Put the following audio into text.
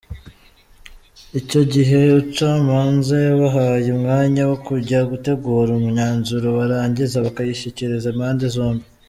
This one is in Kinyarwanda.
Icyo gihe umucamanza yabahaye umwanya wo kujya gutegura imyanzuro barangiza bakayishyikiriza impande zombi.